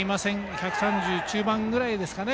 １３０キロ中盤くらいですかね。